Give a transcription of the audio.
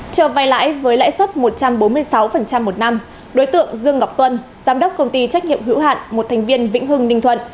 cho vai lãi với lãi suất một trăm bốn mươi sáu một năm đối tượng dương ngọc tuân giám đốc công ty trách nhiệm hữu hạn một thành viên vĩnh hưng ninh thuận